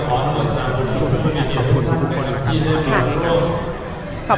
ขอบคุณทุกคนนะครับ